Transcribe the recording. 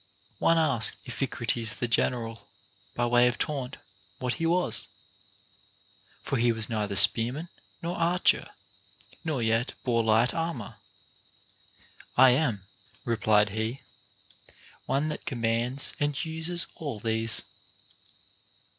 One asked Iphicrates the general, by way of taunt, what he was I For he was neither spearman nor archer, nor yet bore light armor. I am (replied he) one that commands and uses all these.